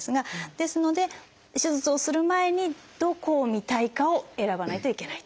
ですので手術をする前にどこを見たいかを選ばないといけないということなんです。